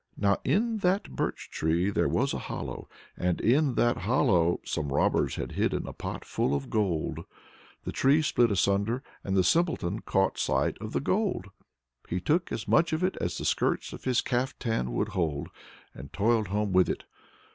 Now, in that Birch tree there was a hollow, and in that hollow some robbers had hidden a pot full of gold. The tree split asunder, and the Simpleton caught sight of the gold. He took as much of it as the skirts of his caftan would hold, and toiled home with it.